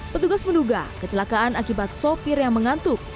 petugas menduga kecelakaan akibat sopir yang mengantuk